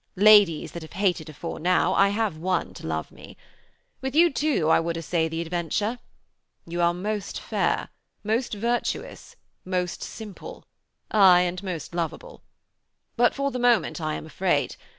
Ladies that have hated afore now, I have won to love me. With you, too, I would essay the adventure. You are most fair, most virtuous, most simple aye, and most lovable. But for the moment I am afraid.